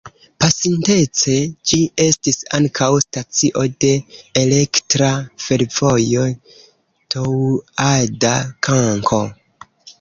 Pasintece ĝi estis ankaŭ stacio de Elektra Fervojo Toŭada-Kanko.